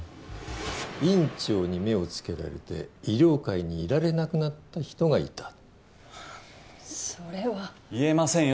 院長に目をつけられて医療界にいられなくなった人がいたそれは言えませんよ